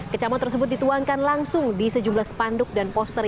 kecaman tersebut dituangkan langsung di sejumlah spanduk dan poster